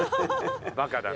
バカだな。